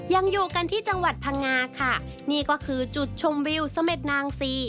ยังอยู่กันที่จังหวัดพังงาค่ะนี่ก็คือจุดชมวิวเสม็ดนางซี